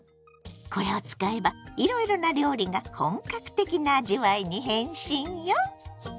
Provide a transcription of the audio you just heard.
これを使えばいろいろな料理が本格的な味わいに変身よ！